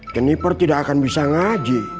keniper tidak akan bisa ngaji